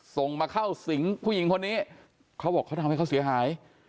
ส่งมาเข้าสิงผู้หญิงคนนี้เขาบอกเขาทำให้เขาเสียหาย